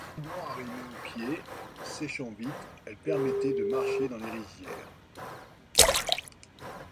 Solidement arrimées au pied, séchant vite, elles permettaient de marcher dans les rizières.